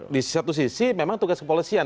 di satu sisi memang tugas kepolisian